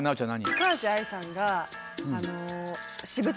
高橋愛さんが。